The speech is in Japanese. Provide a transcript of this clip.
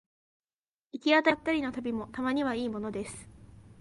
行き当たりばったりの旅もたまにはいいものです